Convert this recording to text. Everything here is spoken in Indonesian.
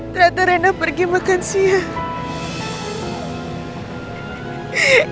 ternyata rena pergi makan siang